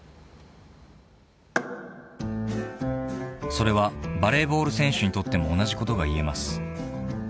［それはバレーボール選手にとっても同じことが言えます］